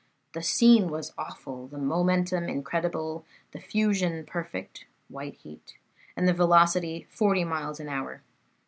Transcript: The scene was awful, the momentum incredible, the fusion perfect (white heat), and the velocity forty miles an hour.